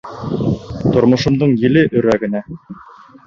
Тормошомдоң еле өрә генә.